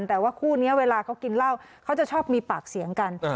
แต่ว่าคู่นี้เวลาเขากินเหล้าเขาจะชอบมีปากเสียงกัน